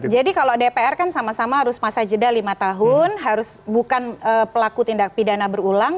jadi kalau dpr kan sama sama harus masa jeda lima tahun harus bukan pelaku tindak pidana berulang